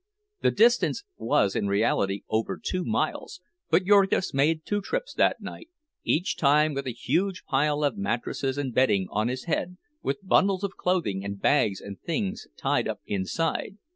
The distance was in reality over two miles, but Jurgis made two trips that night, each time with a huge pile of mattresses and bedding on his head, with bundles of clothing and bags and things tied up inside.